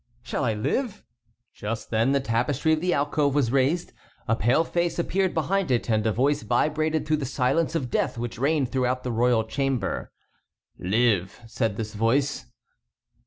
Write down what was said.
shall I live?" Just then the tapestry of the alcove was raised, a pale face appeared behind it, and a voice vibrated through the silence of death which reigned throughout the royal chamber. "Live!" said this voice.